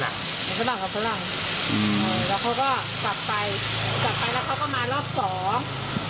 แล้วเขาก็กลับไปกลับไปแล้วเขาก็มารอบสอง